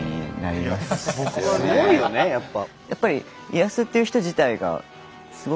すごいよねやっぱ。